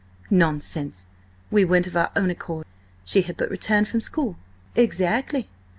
"Nonsense! We went of our own accord. She had but returned from school." "Exactly.